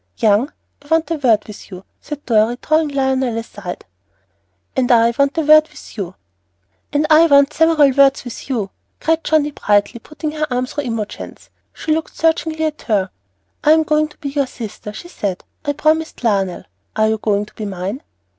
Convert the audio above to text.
"Young, I want a word with you," said Dorry, drawing Lionel aside. "And I want a word with you." "And I want several words with you," cried Johnnie, brightly, putting her arm through Imogen's. She looked searchingly at her. "I'm going to be your sister," she said; "I've promised Lionel. Are you going to be mine?"